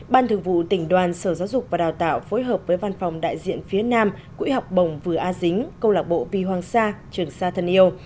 ban thường vụ tỉnh đoàn sở giáo dục và đào tạo phối hợp với văn phòng đại diện phía nam quỹ học bổng vừa a dính câu lạc bộ vì hoàng sa trường sa thân yêu